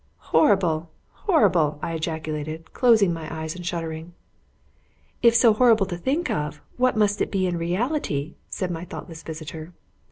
"Horrible! horrible!" I ejaculated, closing my eyes, and shuddering. "If so horrible to think of, what must it be in reality?" said my thoughtless visitor.